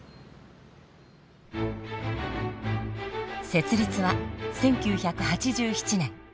設立は１９８７年。